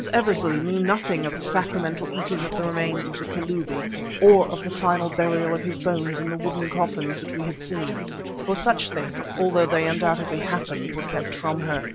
Eversley knew nothing of the sacramental eating of the remains of the Kalubi, or of the final burial of his bones in the wooden coffins that we had seen, for such things, although they undoubtedly happened, were kept from her.